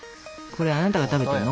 これあなたが食べてるの？